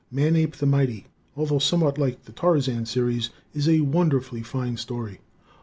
"Manape the Mighty," although somewhat like the Tarzan series, is a wonderfully fine story.